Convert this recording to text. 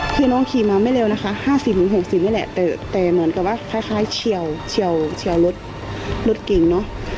คือน้องขี่มาไม่เร็วนะคะห้าสิบถึงหกสิบนี่แหละแต่แต่เหมือนกับว่าคล้ายคล้ายเชียวเชียวเชียวรถรถกินเนอะ